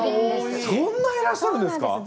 そんないらっしゃるんですか！